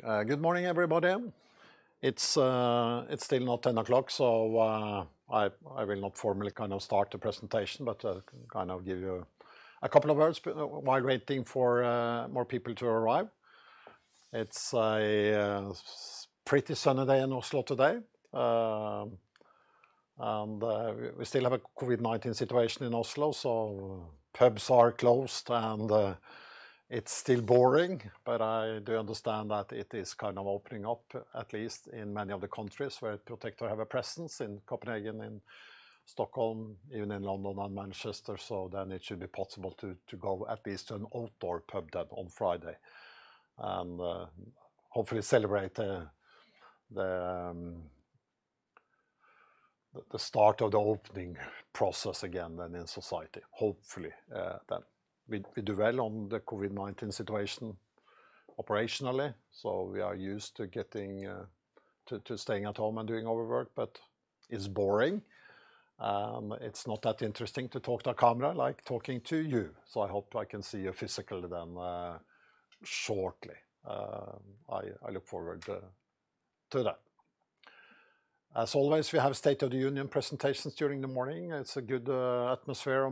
Good morning, everybody. It's still not 10:00 A.M. so I will not formally start the presentation, but I can give you a couple of words while waiting for more people to arrive. It's a pretty sunny day in Oslo today. We still have a COVID-19 situation in Oslo, so pubs are closed, and it's still boring. I do understand that it is opening up, at least in many other countries where Protector have a presence, in Copenhagen and Stockholm, even in London and Manchester. It should be possible to go at least to an outdoor pub then on Friday and hopefully celebrate the start of the opening process again in society. Hopefully. We do well on the COVID-19 situation operationally, so we are used to staying at home and doing our work, but it's boring. It's not that interesting to talk to a camera like talking to you, so I hope I can see you physically then shortly. I look forward to that. As always, we have state of the union presentations during the morning. It's a good atmosphere,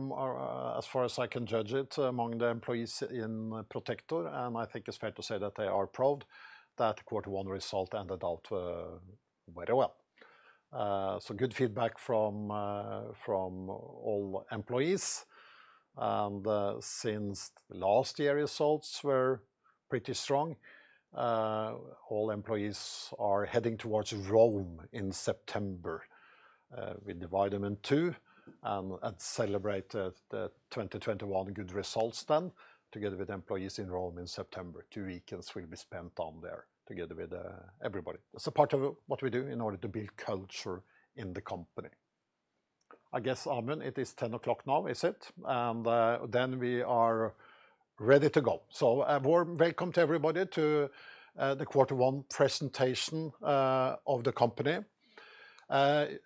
as far as I can judge it, among the employees in Protector, and I think it's fair to say that they are proud that Q1 result ended out very well. Good feedback from all employees. Since last year results were pretty strong, all employees are heading towards Rome in September. We divide them in two and celebrate the 2021 good results then together with employees in Rome in September. Two weekends will be spent down there together with everybody. It's a part of what we do in order to build culture in the company. I guess, Amund, it is 10:00 A.M. now, is it? Then we are ready to go. A warm welcome to everybody to the quarter one presentation of the company.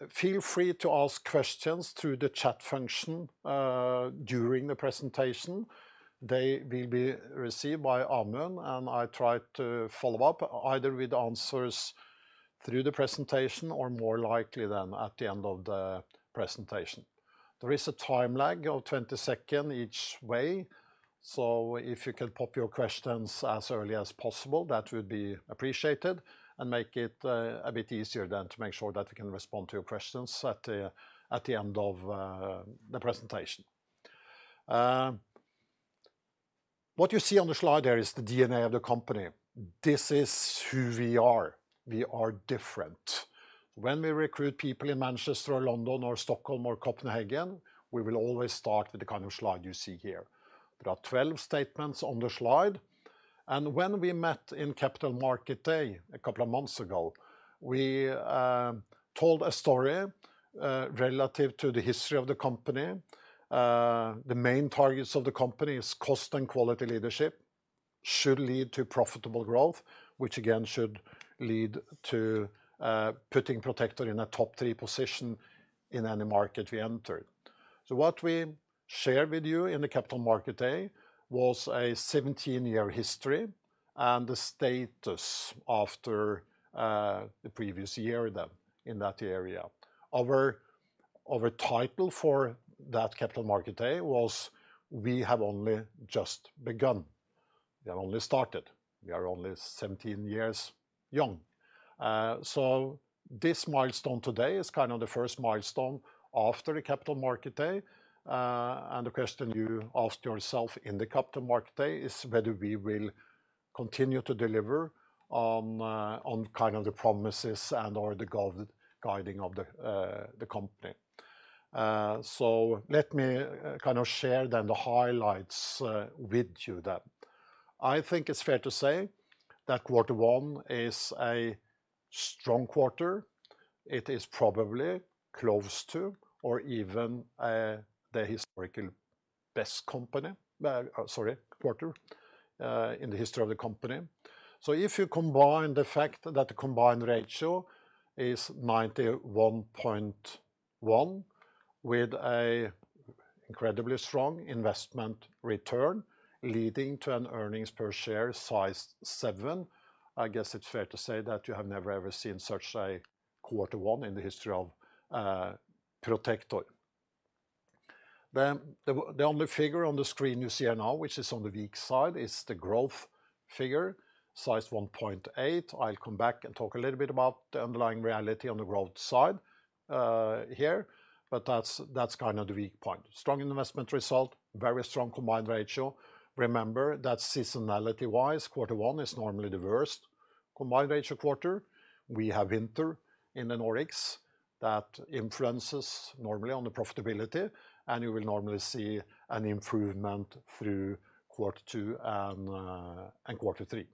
Feel free to ask questions through the chat function during the presentation. They will be received by Amund, I'll try to follow up either with answers through the presentation or more likely then at the end of the presentation. There is a time lag of 20 seconds each way, if you can pop your questions as early as possible, that would be appreciated and make it a bit easier then to make sure that we can respond to your questions at the end of the presentation. What you see on the slide there is the DNA of the company. This is who we are. We are different. When we recruit people in Manchester or London or Stockholm or Copenhagen, we will always start with the kind of slide you see here. There are 12 statements on the slide. When we met in Capital Market Day a couple of months ago, we told a story relative to the history of the company. The main targets of the company is cost and quality leadership, should lead to profitable growth, which again, should lead to putting Protector in a top-three position in any market we enter. What we share with you in the Capital Market Day was a 17-year history and the status after the previous year then in that area. Our title for that Capital Market Day was We Have Only Just Begun. We have only started. We are only 17 years young. This milestone today is kind of the first milestone after the Capital Markets Day. The question you asked yourself in the Capital Markets Day is whether we will continue to deliver on the promises and/or the guiding of the company. Let me share then the highlights with you then. I think it's fair to say that Q1 is a strong quarter. It is probably close to or even the historical best quarter in the history of the company. If you combine the fact that the combined ratio is 91.1% with a incredibly strong investment return leading to an earnings per share size 7, I guess it's fair to say that you have never, ever seen such a Q1 in the history of Protector. The only figure on the screen you see here now, which is on the weak side, is the growth figure, size 1.8. I'll come back and talk a little bit about the underlying reality on the growth side here, but that's kind of the weak point. Strong investment result, very strong combined ratio. Remember that seasonality-wise, Q1 is normally the worst combined ratio quarter. We have winter in the Nordics that influences normally on the profitability, and you will normally see an improvement through Q2 and Q3.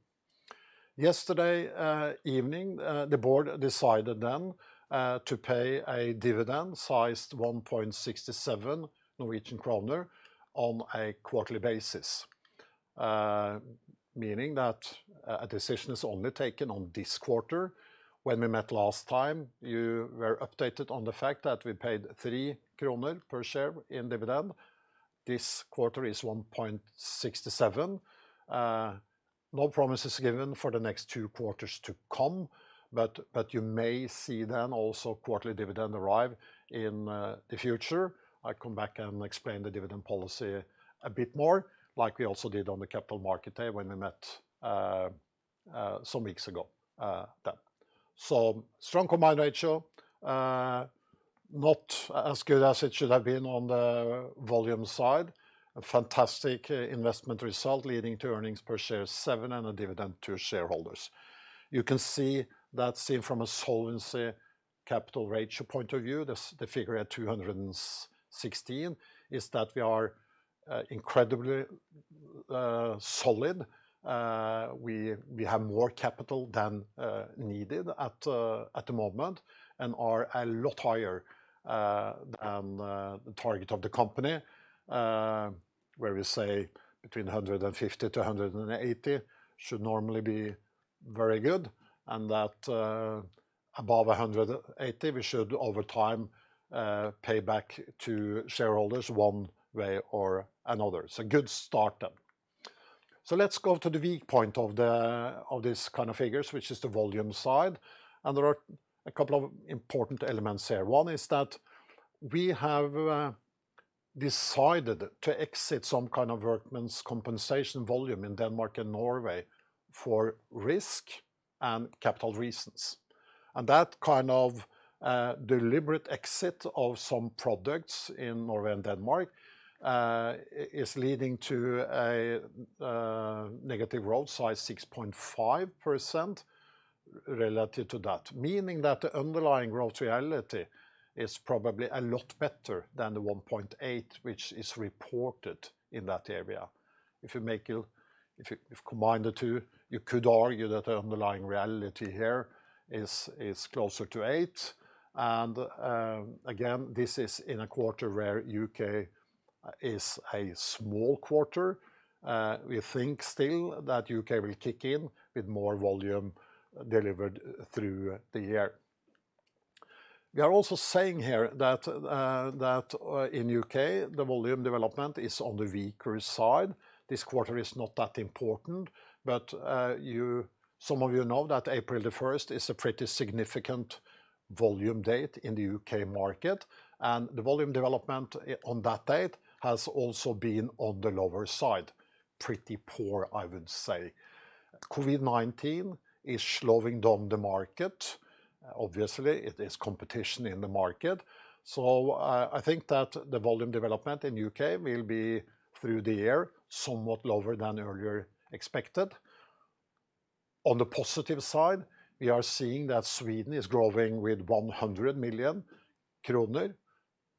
Yesterday evening, the board decided then to pay a dividend sized 1.67 Norwegian kroner on a quarterly basis. Meaning that a decision is only taken on this quarter. When we met last time, you were updated on the fact that we paid 3 kroner per share in dividend. This quarter is 1.67. No promises given for the next two quarters to come, but you may see then also quarterly dividend arrive in the future. I come back and explain the dividend policy a bit more, like we also did on the Capital Markets Day when we met some weeks ago then. Strong combined ratio, not as good as it should have been on the volume side. A fantastic investment result leading to earnings per share seven and a dividend to shareholders. You can see that seen from a solvency capital ratio point of view, the figure at 216 is that we are incredibly solid. We have more capital than needed at the moment and are a lot higher than the target of the company, where we say between 150-180 should normally be very good and that above 180 we should, over time, pay back to shareholders one way or another. It's a good start. Let's go to the weak point of this kind of figures, which is the volume side. There are a couple of important elements here. One is that we have decided to exit some kind of workers' compensation volume in Denmark and Norway for risk and capital reasons. That kind of deliberate exit of some products in Norway and Denmark is leading to a negative growth size 6.5% relative to that. Meaning that the underlying growth reality is probably a lot better than the 1.8, which is reported in that area. If you combine the two, you could argue that the underlying reality here is closer to eight. Again, this is in a quarter where U.K. is a small quarter. We think still that U.K. will kick in with more volume delivered through the year. We are also saying here that in U.K., the volume development is on the weaker side. This quarter is not that important. Some of you know that April the 1st is a pretty significant volume date in the U.K. market, and the volume development on that date has also been on the lower side. Pretty poor, I would say. COVID-19 is slowing down the market. Obviously, it is competition in the market. I think that the volume development in U.K. will be through the year, somewhat lower than earlier expected. On the positive side, we are seeing that Sweden is growing with 100 million kroner.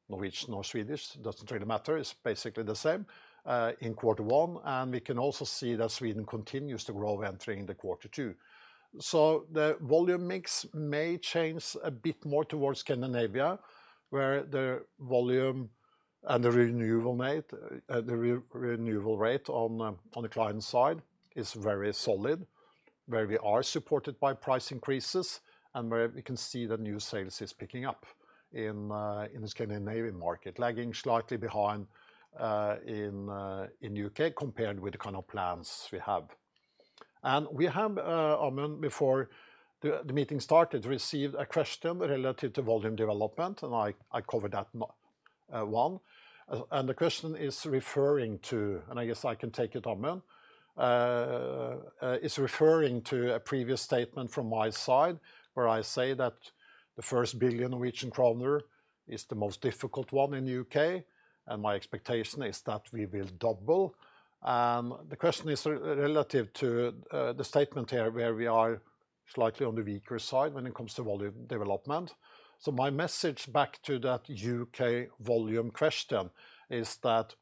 Norwegian or Swedish, doesn't really matter, it's basically the same, in Q1, and we can also see that Sweden continues to grow entering the Q2. The volume mix may change a bit more towards Scandinavia, where the volume and the renewal rate on the client side is very solid, where we are supported by price increases, and where we can see that new sales is picking up in the Scandinavian market, lagging slightly behind in U.K. compared with the kind of plans we have. We have, Amund, before the meeting started, received a question relative to volume development, and I covered that one. The question is referring to, and I guess I can take it, Amund, a previous statement from my side where I say that the first 1 billion Norwegian kroner is the most difficult one in the U.K., and my expectation is that we will double. The question is relative to the statement here where we are slightly on the weaker side when it comes to volume development. My message back to that U.K. volume question is that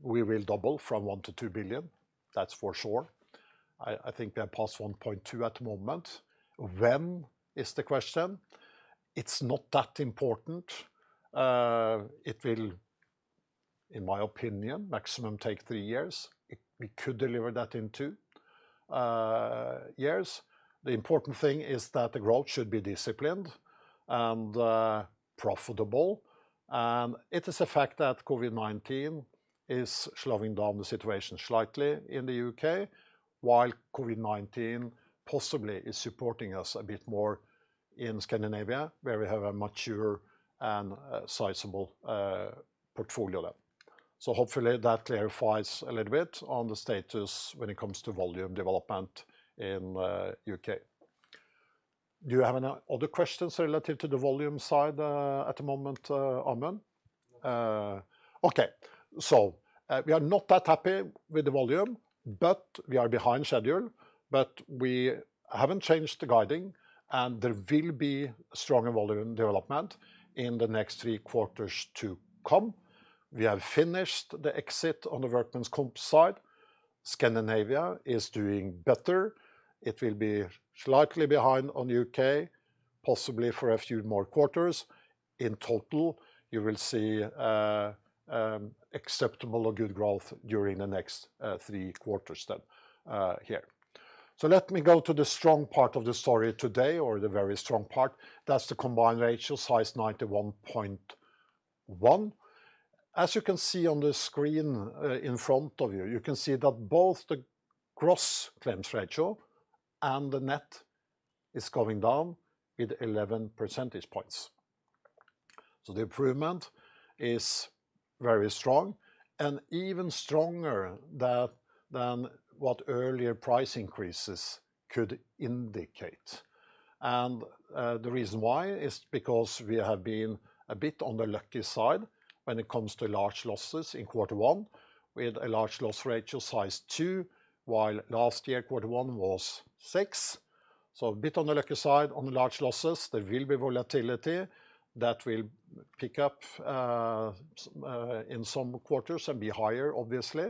we will double from 1 billion to 2 billion. That's for sure. I think we are past 1.2 billion at the moment. When is the question. It's not that important. It will, in my opinion, maximum take three years. We could deliver that in two years. The important thing is that the growth should be disciplined and profitable. It is a fact that COVID-19 is slowing down the situation slightly in the U.K., while COVID-19 possibly is supporting us a bit more in Scandinavia, where we have a mature and sizable portfolio there. Hopefully, that clarifies a little bit on the status when it comes to volume development in U.K. Do you have any other questions relative to the volume side at the moment, Amund? No. Okay. We are not that happy with the volume, but we are behind schedule. We haven't changed the guiding, and there will be stronger volume development in the next three quarters to come. We have finished the exit on the workers' compensation side. Scandinavia is doing better. It will be slightly behind on U.K. Possibly for a few more quarters. In total, you will see acceptable or good growth during the next three quarters then here. Let me go to the strong part of the story today, or the very strong part. That's the combined ratio size 91.1. As you can see on the screen in front of you can see that both the gross claims ratio and the net is going down with 11 percentage points. The improvement is very strong and even stronger than what earlier price increases could indicate. The reason why is because we have been a bit on the lucky side when it comes to large losses in Q1 with a large loss ratio size two, while last year Q1 was six. A bit on the lucky side on the large losses. There will be volatility that will pick up in some quarters and be higher, obviously.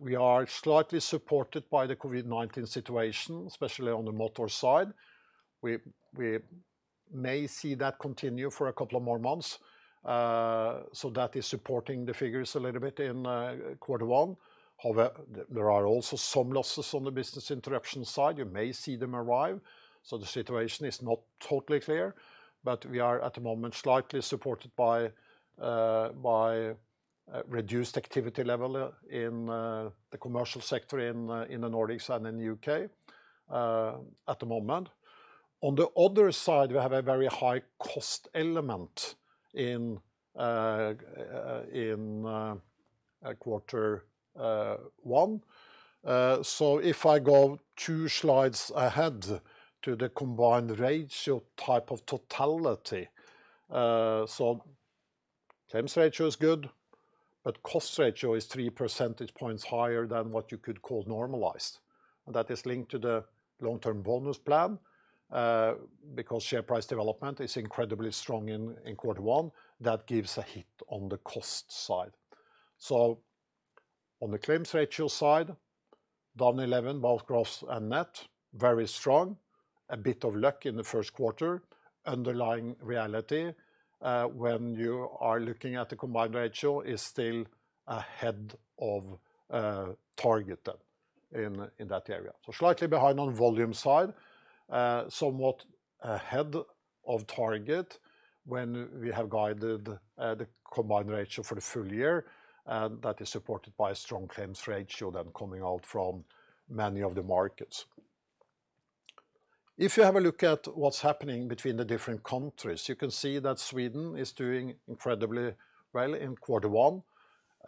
We are slightly supported by the COVID-19 situation, especially on the motor side. We may see that continue for a couple of more months. That is supporting the figures a little bit in Q1. However, there are also some losses on the business interruption side. You may see them arrive. The situation is not totally clear, but we are at the moment slightly supported by reduced activity level in the commercial sector in the Nordics and in the U.K., at the moment. On the other side, we have a very high cost element in Q1. If I go two slides ahead to the combined ratio type of totality. Claims ratio is good, but cost ratio is three percentage points higher than what you could call normalized. That is linked to the long-term bonus plan, because share price development is incredibly strong in Q1, that gives a hit on the cost side. On the claims ratio side, down 11, both gross and net, very strong. A bit of luck in the first quarter. Underlying reality, when you are looking at the combined ratio is still ahead of target then in that area. Slightly behind on volume side. Somewhat ahead of target when we have guided the combined ratio for the full year, and that is supported by a strong claims ratio then coming out from many of the markets. If you have a look at what's happening between the different countries, you can see that Sweden is doing incredibly well in Q1.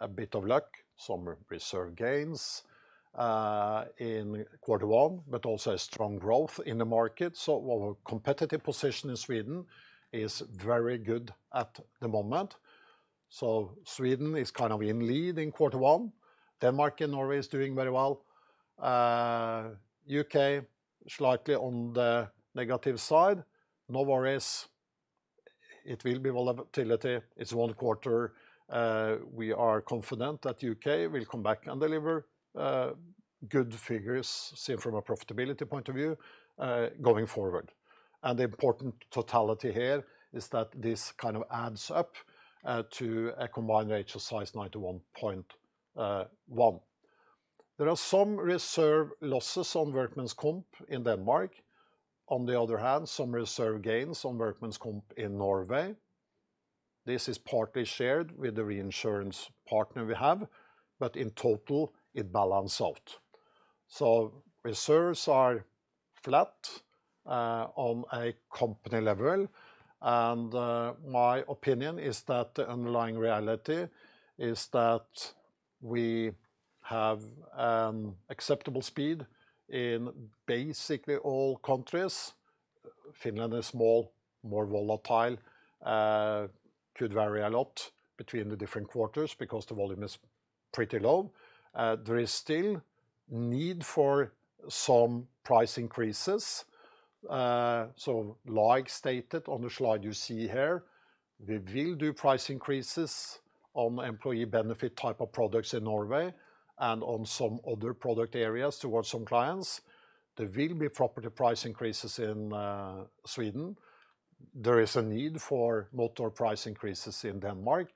A bit of luck, some reserve gains, in Q1, also a strong growth in the market. Our competitive position in Sweden is very good at the moment. Sweden is in lead in Q1. Denmark and Norway is doing very well. U.K., slightly on the negative side. No worries. It will be volatility. It's one quarter. We are confident that U.K. will come back and deliver good figures seen from a profitability point of view, going forward. The important totality here is that this adds up to a combined ratio size 91.1. There are some reserve losses on workers' compensation in Denmark. On the other hand, some reserve gains on workers' compensation in Norway. This is partly shared with the reinsurance partner we have. In total, it balance out. Reserves are flat on a company level. My opinion is that the underlying reality is that we have an acceptable speed in basically all countries. Finland is small, more volatile, could vary a lot between the different quarters because the volume is pretty low. There is still need for some price increases. Like stated on the slide you see here, we will do price increases on employee benefit type of products in Norway and on some other product areas towards some clients. There will be property price increases in Sweden. There is a need for motor price increases in Denmark.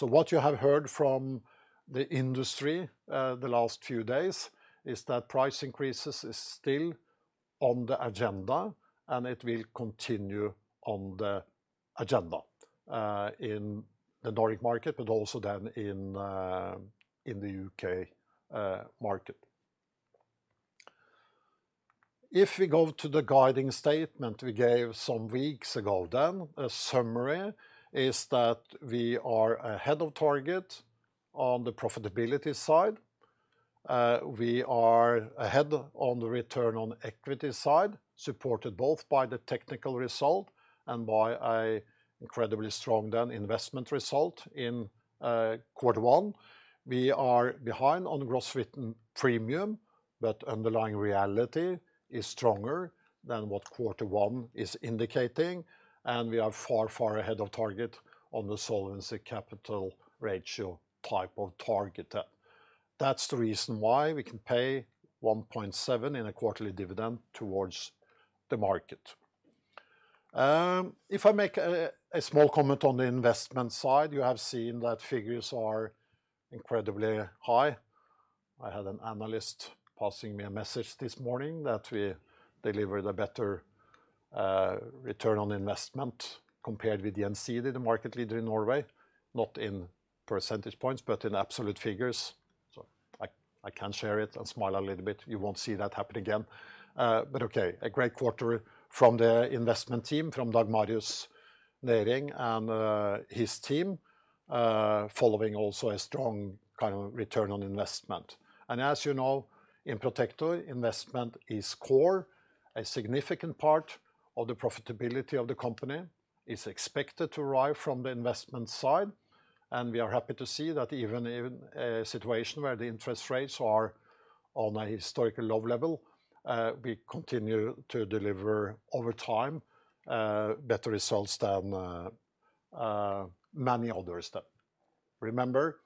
What you have heard from the industry, the last few days, is that price increases is still on the agenda, and it will continue on the agenda, in the Nordic market, but also in the UK market. If we go to the guiding statement we gave some weeks ago, a summary is that we are ahead of target on the profitability side. We are ahead on the return on equity side, supported both by the technical result and by an incredibly strong investment result in Q1. We are behind on gross written premium, but underlying reality is stronger than what Q1 is indicating, and we are far, far ahead of target on the solvency capital ratio type of target. That's the reason why we can pay 1.7 in a quarterly dividend towards the market. If I make a small comment on the investment side, you have seen that figures are incredibly high. I had an analyst passing me a message this morning that we delivered a better return on investment compared with the NCD, the market leader in Norway, not in percentage points but in absolute figures. I can share it and smile a little bit. You won't see that happen again. Okay, a great quarter from the investment team, from Dag Marius Nereng and his team, following also a strong return on investment. As you know, in Protector, investment is core. A significant part of the profitability of the company is expected to arrive from the investment side, and we are happy to see that even in a situation where the interest rates are on a historical low level, we continue to deliver over time better results than many others then. Remember,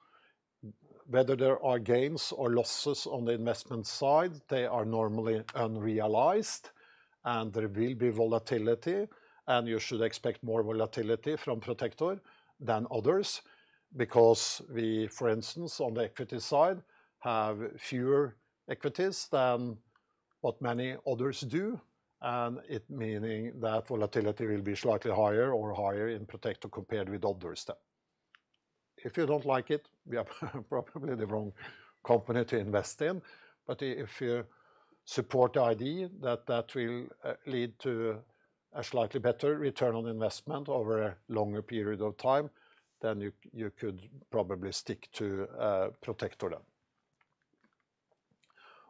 whether there are gains or losses on the investment side, they are normally unrealized, and there will be volatility, and you should expect more volatility from Protector than others because we, for instance, on the equity side, have fewer equities than what many others do, and it meaning that volatility will be slightly higher or higher in Protector compared with others then. If you don't like it, we are probably the wrong company to invest in. If you support the idea that that will lead to a slightly better return on investment over a longer period of time, then you could probably stick to Protector then.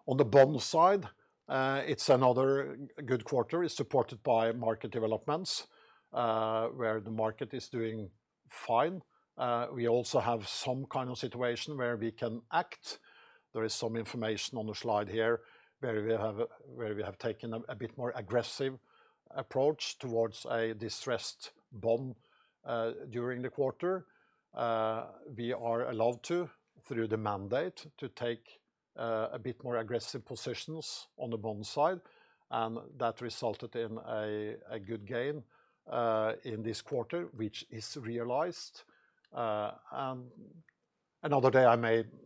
On the bond side, it's another good quarter. It's supported by market developments, where the market is doing fine. We also have some kind of situation where we can act. There is some information on the slide here where we have taken a bit more aggressive approach towards a distressed bond during the quarter. We are allowed to, through the mandate, to take a bit more aggressive positions on the bond side, and that resulted in a good gain in this quarter, which is realized. Another day I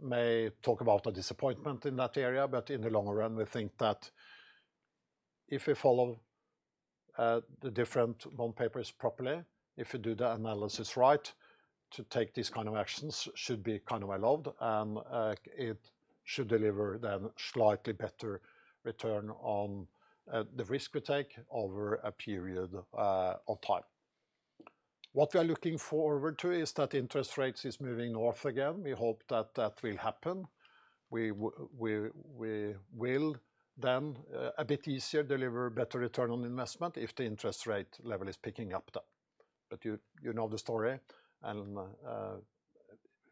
may talk about a disappointment in that area. In the long run, we think that if we follow the different bond papers properly, if we do the analysis right, to take these kind of actions should be allowed, and it should deliver then slightly better return on the risk we take over a period of time. What we are looking forward to is that interest rates is moving north again. We hope that that will happen. We will then a bit easier deliver better return on investment if the interest rate level is picking up. You know the story, and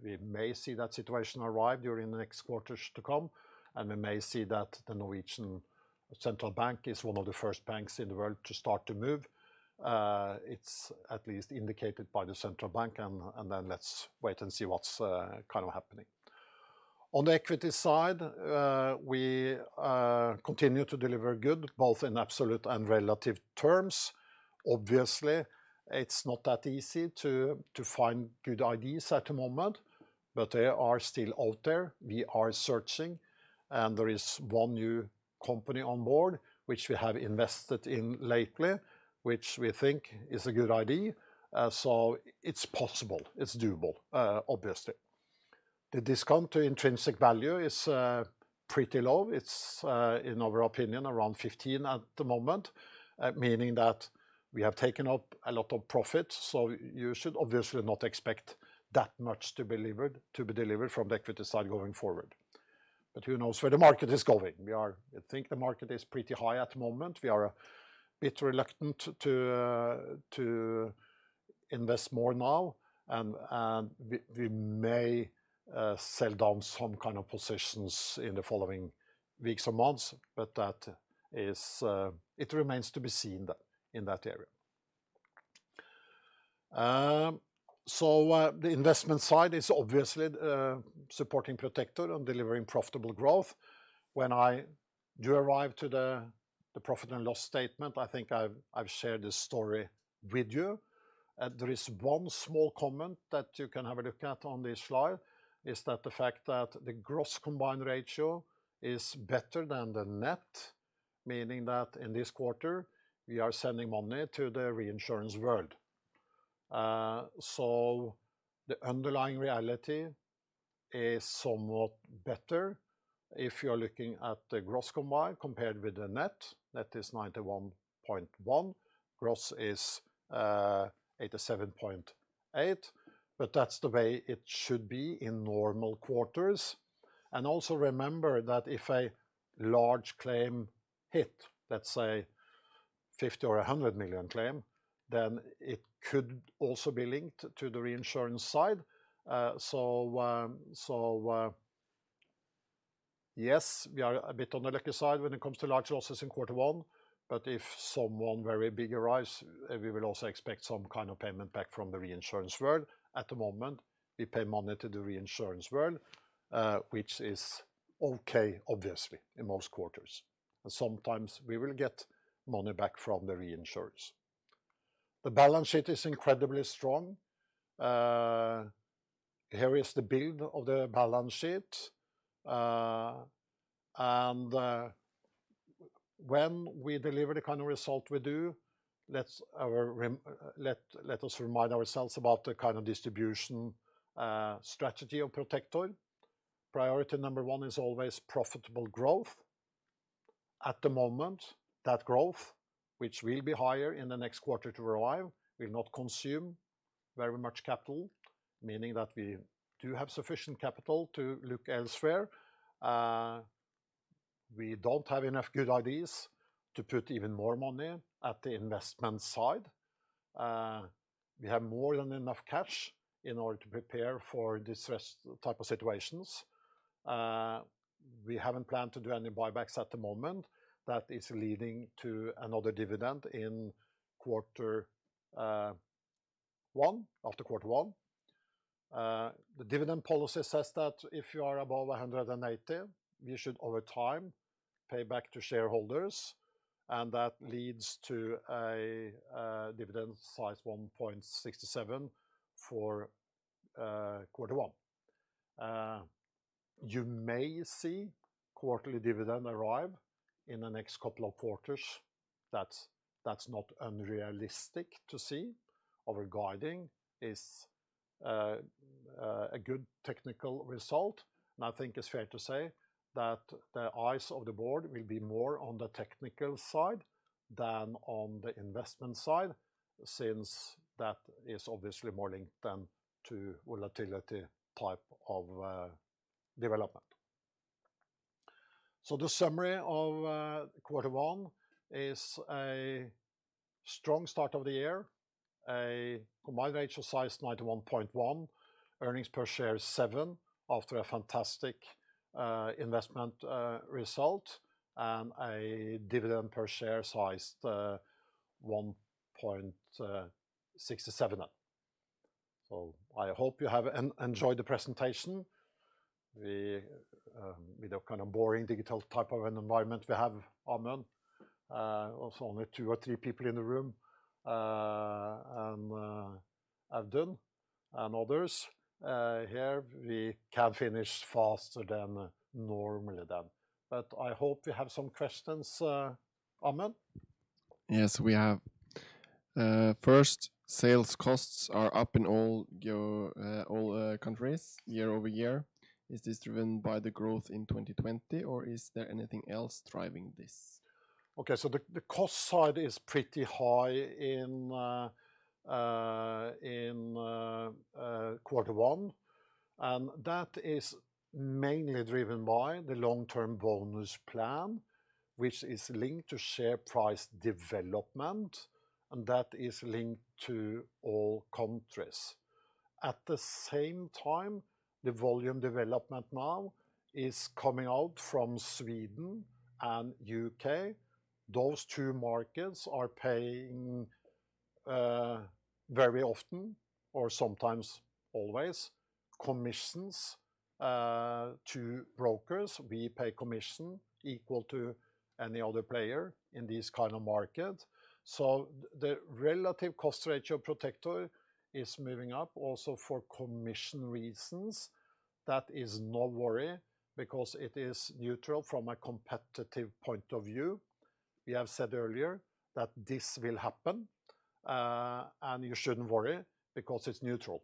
we may see that situation arrive during the next quarters to come, and we may see that Norges Bank is one of the first banks in the world to start to move. It's at least indicated by Norges Bank, Let's wait and see what's happening. On the equity side, we continue to deliver good, both in absolute and relative terms. Obviously, it's not that easy to find good ideas at the moment. They are still out there. We are searching, and there is one new company on board which we have invested in lately, which we think is a good idea. It's possible. It's doable obviously. The discount to intrinsic value is pretty low. It's, in our opinion, around 15 at the moment, meaning that we have taken up a lot of profit. You should obviously not expect that much to be delivered from the equity side going forward. Who knows where the market is going? We think the market is pretty high at the moment. We are a bit reluctant to invest more now, and we may sell down some kind of positions in the following weeks or months, but it remains to be seen in that area. The investment side is obviously supporting Protector on delivering profitable growth. When I do arrive to the profit and loss statement, I think I've shared this story with you, and there is one small comment that you can have a look at on this slide, is that the fact that the gross combined ratio is better than the net, meaning that in this quarter, we are sending money to the reinsurance world. The underlying reality is somewhat better if you are looking at the gross combined compared with the net. Net is 91.1. Gross is 87.8, but that's the way it should be in normal quarters. Also remember that if a large claim hit, let's say 50 million or 100 million claim, then it could also be linked to the reinsurance side. Yes, we are a bit on the lucky side when it comes to large losses in quarter one, but if someone very big arrives, we will also expect some kind of payment back from the reinsurance world. At the moment, we pay money to the reinsurance world, which is okay, obviously, in most quarters. Sometimes we will get money back from the reinsurers. The balance sheet is incredibly strong. Here is the build of the balance sheet. When we deliver the kind of result we do, let us remind ourselves about the kind of distribution strategy of Protector. Priority number one is always profitable growth. At the moment, that growth, which will be higher in the next quarter to arrive, will not consume very much capital, meaning that we do have sufficient capital to look elsewhere. We don't have enough good ideas to put even more money at the investment side. We have more than enough cash in order to prepare for this type of situations. We haven't planned to do any buybacks at the moment. That is leading to another dividend after quarter one. The dividend policy says that if you are above 180, you should, over time, pay back to shareholders, and that leads to a dividend size 1.67 for quarter one. You may see quarterly dividend arrive in the next couple of quarters. That's not unrealistic to see. Over-guiding is a good technical result. I think it's fair to say that the eyes of the board will be more on the technical side than on the investment side, since that is obviously more linked then to volatility type of development. The summary of quarter one is a strong start of the year, a combined ratio size 91.1%, earnings per share 7 after a fantastic investment result, and a dividend per share sized 1.67. I hope you have enjoyed the presentation. With the kind of boring digital type of an environment we have, Amund, also only two or three people in the room, and others here, we can finish faster than normally then. I hope you have some questions, Amund. Yes, we have. First, sales costs are up in all countries year-over-year. Is this driven by the growth in 2020, or is there anything else driving this? The cost side is pretty high in quarter one, and that is mainly driven by the long-term bonus plan, which is linked to share price development, and that is linked to all countries. At the same time, the volume development now is coming out from Sweden and U.K. Those two markets are paying very often, or sometimes always, commissions to brokers. We pay commission equal to any other player in these kind of markets. The relative cost ratio of Protector is moving up also for commission reasons. That is no worry because it is neutral from a competitive point of view. We have said earlier that this will happen, and you shouldn't worry because it's neutral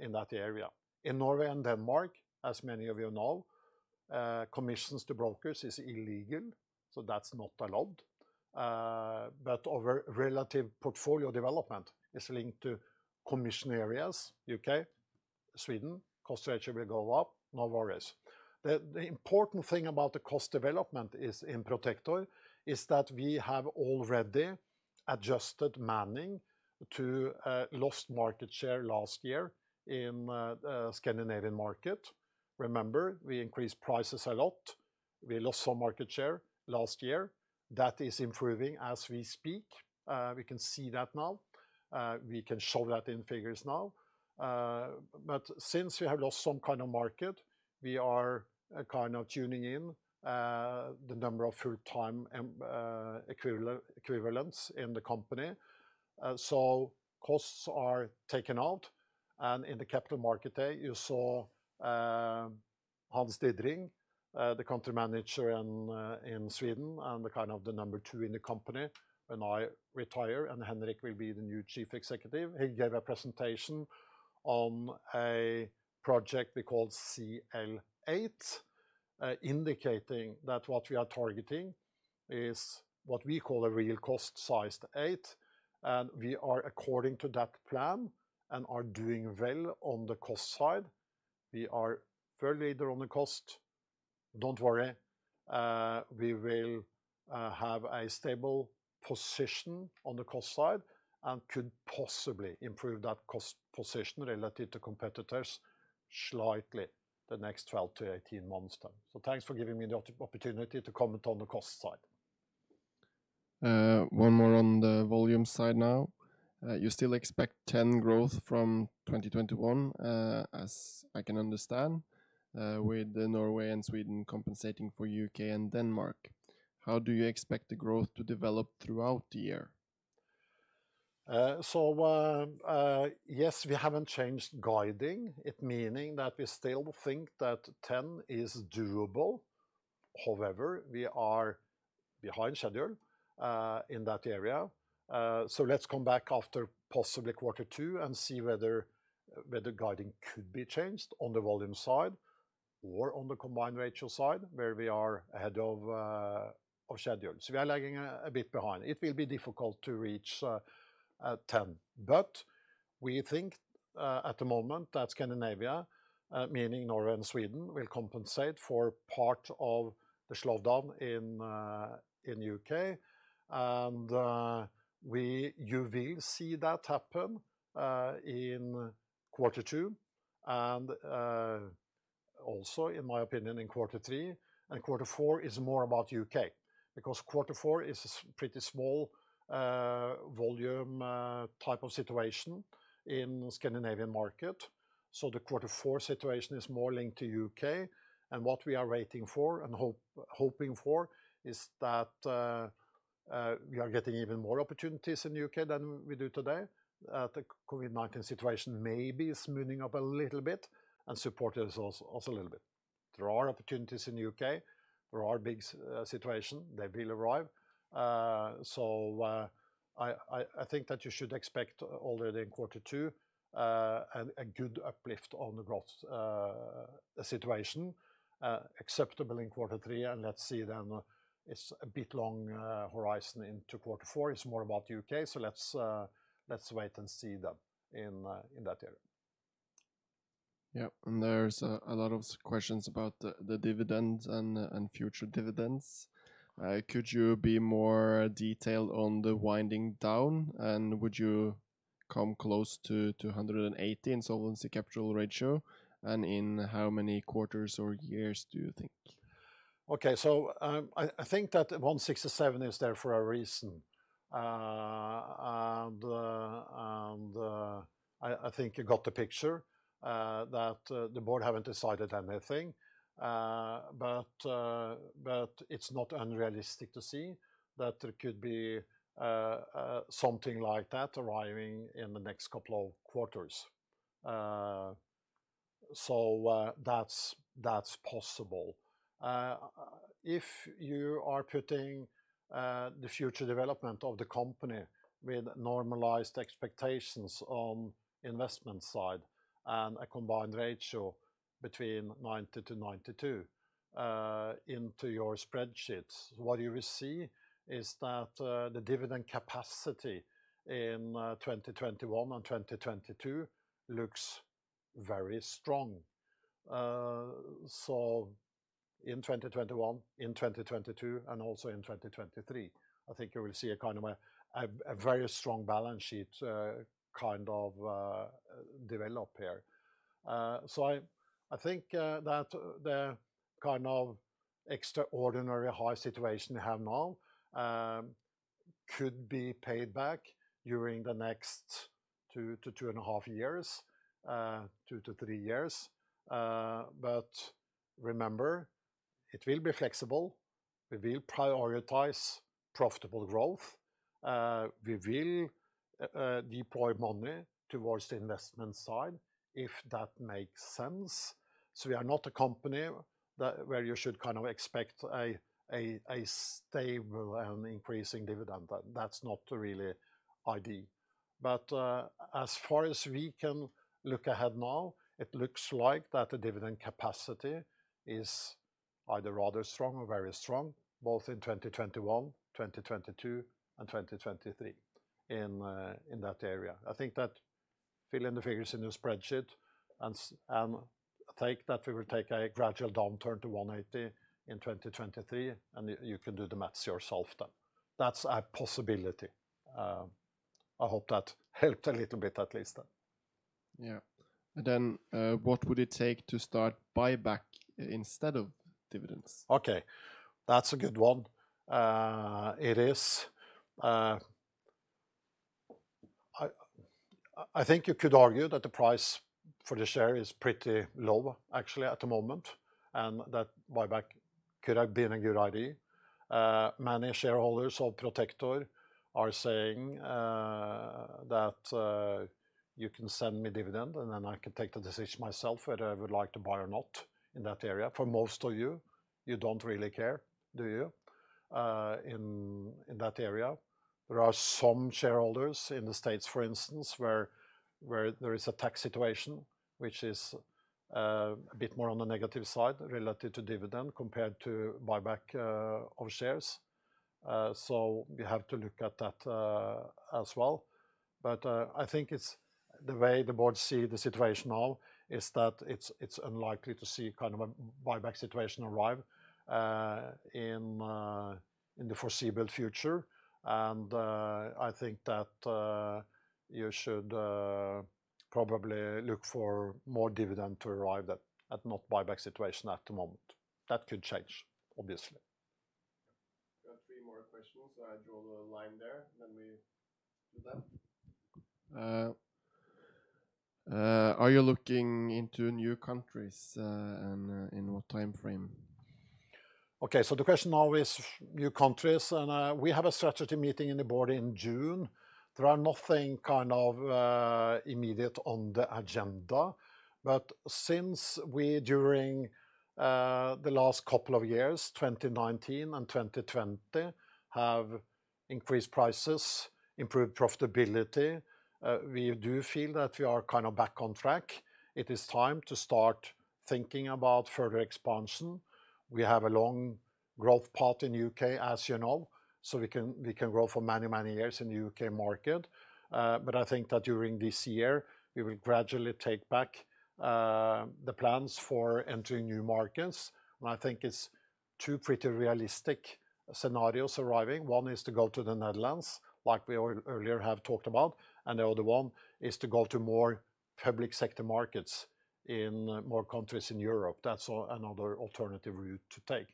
in that area. In Norway and Denmark, as many of you know, commissions to brokers is illegal, so that's not allowed. Our relative portfolio development is linked to commission areas, U.K., Sweden, cost ratio will go up, no worries. The important thing about the cost development in Protector is that we have already adjusted manning to lost market share last year in Scandinavian market. Remember, we increased prices a lot. We lost some market share last year. That is improving as we speak. We can see that now. We can show that in figures now. Since we have lost some kind of market, we are kind of tuning in the number of full-time equivalents in the company. Costs are taken out, and in the Capital Markets Day, you saw Hans Didring, the country manager in Sweden and the kind of the number two in the company when I retire, and Henrik Høye will be the new Chief Executive Officer. He gave a presentation on a project we call CL8, indicating that what we are targeting is what we call a real cost sized eight, and we are according to that plan and are doing well on the cost side. We are further on the cost. Don't worry. We will have a stable position on the cost side and could possibly improve that cost position relative to competitors slightly the next 12-18 months time. Thanks for giving me the opportunity to comment on the cost side. One more on the volume side now. You still expect 10 growth from 2021, as I can understand, with Norway and Sweden compensating for U.K. and Denmark. How do you expect the growth to develop throughout the year? Yes, we haven't changed guiding, it meaning that we still think that 10 is doable. However, we are behind schedule in that area. Let's come back after possibly quarter two and see whether guiding could be changed on the volume side or on the combined ratio side, where we are ahead of schedule. We are lagging a bit behind. It will be difficult to reach 10, but we think, at the moment, that Scandinavia, meaning Norway and Sweden, will compensate for part of the slowdown in U.K. You will see that happen in quarter two and also, in my opinion, in quarter three. Quarter four is more about U.K., because quarter four is a pretty small volume type of situation in Scandinavian market. The quarter four situation is more linked to U.K. What we are waiting for and hoping for is that we are getting even more opportunities in U.K. than we do today. The COVID-19 situation maybe is smoothing up a little bit and support us a little bit. There are opportunities in U.K. There are big situation. They will arrive. I think that you should expect already in quarter two a good uplift on the growth situation acceptable in quarter three. Let's see then, it's a bit long horizon into quarter four. It's more about U.K. Let's wait and see then in that area. Yeah. There's a lot of questions about the dividends and future dividends. Could you be more detailed on the winding down? Would you come close to 180 in solvency capital ratio? In how many quarters or years do you think? I think that 167 is there for a reason. I think you got the picture that the board haven't decided anything. It's not unrealistic to see that there could be something like that arriving in the next couple of quarters. That's possible. If you are putting the future development of the company with normalized expectations on investment side and a combined ratio between 90-92 into your spreadsheets, what you will see is that the dividend capacity in 2021 and 2022 looks very strong. In 2021, in 2022, and also in 2023, I think you will see a very strong balance sheet kind of develop here. I think that the kind of extraordinary high situation we have now could be paid back during the next two to two and a half years, two to three years. Remember, it will be flexible. We will prioritize profitable growth. We will deploy money towards the investment side if that makes sense. We are not a company where you should expect a stable and increasing dividend. That's not really idea. As far as we can look ahead now, it looks like that the dividend capacity is either rather strong or very strong, both in 2021, 2022, and 2023 in that area. I think that fill in the figures in your spreadsheet and take that figure, take a gradual downturn to 180 in 2023, and you can do the math yourself then. That's a possibility. I hope that helped a little bit, at least then. Yeah. What would it take to start buyback instead of dividends? Okay. That's a good one. It is. I think you could argue that the price for the share is pretty low actually at the moment, and that buyback could have been a good idea. Many shareholders of Protector are saying that, "You can send me dividend, and then I can take the decision myself whether I would like to buy or not in that area." For most of you don't really care, do you, in that area? There are some shareholders in the U.S., for instance, where there is a tax situation which is a bit more on the negative side relative to dividend compared to buyback of shares. We have to look at that as well. I think the way the board sees the situation now is that it's unlikely to see a buyback situation arrive in the foreseeable future. I think that you should probably look for more dividend to arrive and not buyback situation at the moment. That could change, obviously. Got three more questions. I draw the line there, we do them. Are you looking into new countries and in what timeframe? Okay. The question now is new countries. We have a strategy meeting in the board in June. There are nothing immediate on the agenda. Since we, during the last couple of years, 2019 and 2020, have increased prices, improved profitability, we do feel that we are back on track. It is time to start thinking about further expansion. We have a long growth path in U.K., as you know, so we can grow for many years in the U.K. market. I think that during this year, we will gradually take back the plans for entering new markets. I think it's two pretty realistic scenarios arriving. One is to go to the Netherlands, like we earlier have talked about, and the other one is to go to more public sector markets in more countries in Europe. That's another alternative route to take.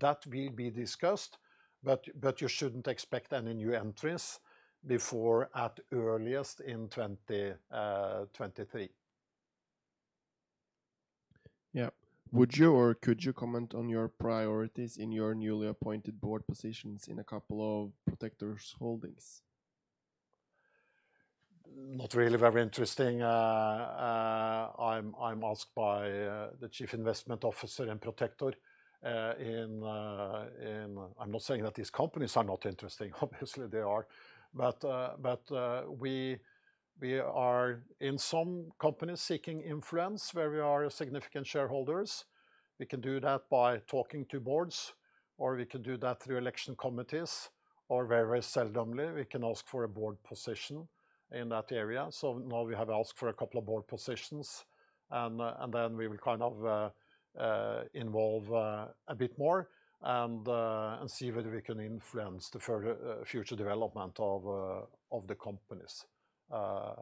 That will be discussed, but you shouldn't expect any new entries before at earliest in 2023. Yeah. Would you or could you comment on your priorities in your newly appointed board positions in a couple of Protector's holdings? Not really very interesting. I'm asked by the Chief Investment Officer in Protector. I'm not saying that these companies are not interesting. Obviously, they are. We are, in some companies, seeking influence where we are significant shareholders. We can do that by talking to boards, or we can do that through election committees, or very seldomly, we can ask for a board position in that area. Now we have asked for a couple of board positions, and we will involve a bit more and see whether we can influence the future development of the companies. I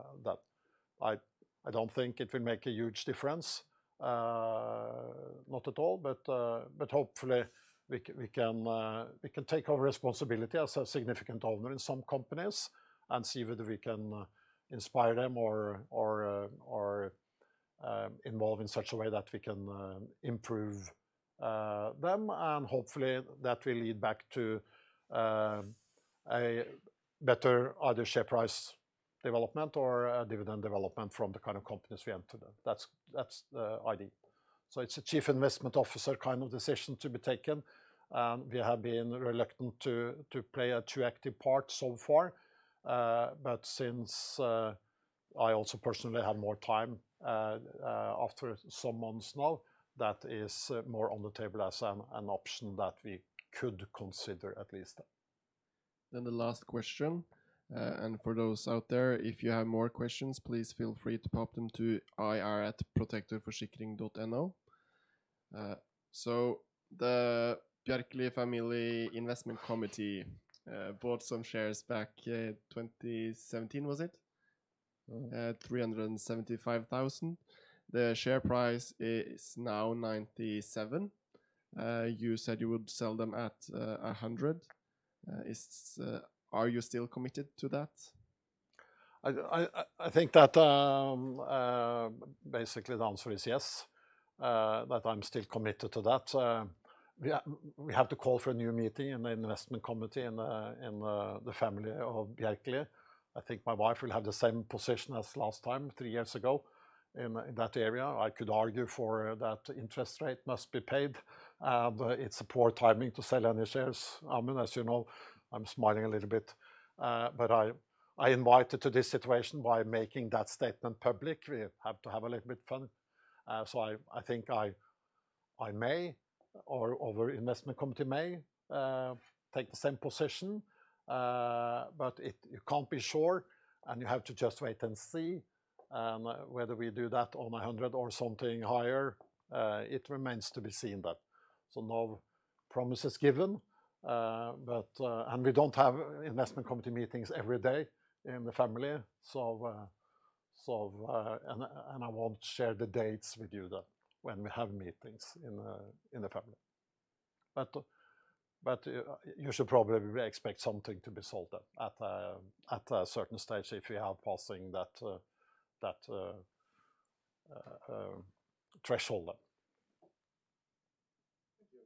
don't think it will make a huge difference. Not at all. Hopefully we can take over responsibility as a significant owner in some companies and see whether we can inspire them or involve in such a way that we can improve them. Hopefully that will lead back to a better either share price development or dividend development from the kind of companies we enter. That's the idea. It's a chief investment officer decision to be taken. We have been reluctant to play a too active part so far. Since I also personally have more time after some months now, that is more on the table as an option that we could consider at least. The last question. For those out there, if you have more questions, please feel free to pop them to ir@protectorforsikring.no. The Bjerkeli family investment committee bought some shares back in 2017, was it? 375,000. The share price is now 97. You said you would sell them at 100. Are you still committed to that? I think that basically the answer is yes, that I'm still committed to that. We have to call for a new meeting in the investment committee in the family of Sverre Bjerkeli. I think my wife will have the same position as last time, three years ago, in that area. I could argue for that interest rate must be paid, and it's a poor timing to sell any shares. Amund, as you know, I'm smiling a little bit. I invited to this situation by making that statement public. We have to have a little bit fun. I think our investment committee may take the same position. You can't be sure, and you have to just wait and see whether we do that on 100 or something higher. It remains to be seen. No promises given. We don't have investment committee meetings every day in the family. I won't share the dates with you when we have meetings in the family. You should probably expect something to be sold at a certain stage if we are passing that threshold. Thank you.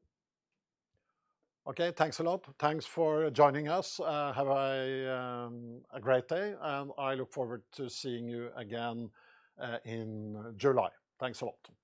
Okay. Thanks a lot. Thanks for joining us. Have a great day, and I look forward to seeing you again in July. Thanks a lot.